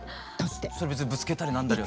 それ別にぶつけたり何だりは。